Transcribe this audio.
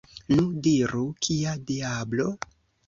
Nu, diru, kia diablo?